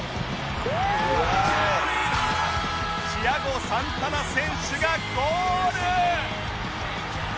チアゴサンタナ選手がゴール！